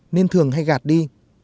nên thường hay gạt đi